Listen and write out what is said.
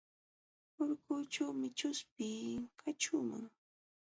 Urkuućhuumi chuspi kaćhuuman.